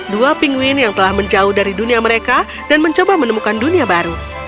dua pinguin yang telah menjauh dari dunia mereka dan mencoba menemukan dunia baru